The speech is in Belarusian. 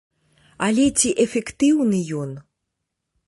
Але ці эфектыўны ён?